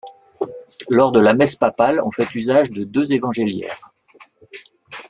Lors de la Messe papale, on fait usage de deux évangéliaires.